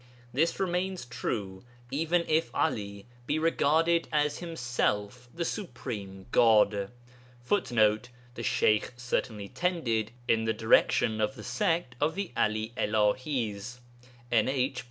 This remains true, even if 'Ali be regarded as himself the Supreme God [Footnote: The Sheykh certainly tended in the direction of the sect of the 'Ali Ilabis (NH, p.